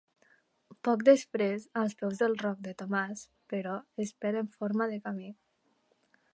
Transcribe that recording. Poc després, als peus del Roc de Tomàs, però, es perd en forma de camí.